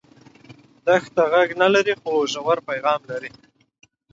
دښته غږ نه لري خو ژور پیغام لري.